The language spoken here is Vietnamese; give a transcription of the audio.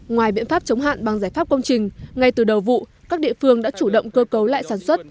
ngoài biện pháp chống hạn bằng giải pháp công trình ngay từ đầu vụ các địa phương đã chủ động cơ cấu lại sản xuất